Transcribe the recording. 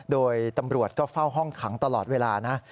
โดยตำรวจก็เฝ้าห้องขังตลอดเวลานะ